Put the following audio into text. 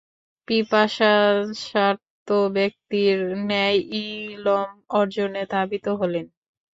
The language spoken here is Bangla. পিপাসার্ত ব্যক্তির ন্যায় ইলম অর্জনে ধাবিত হলেন।